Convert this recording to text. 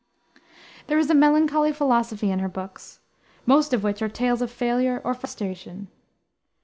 There is a melancholy philosophy in her books, most of which are tales of failure or frustration.